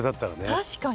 確かに！